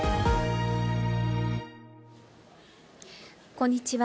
こんにちは。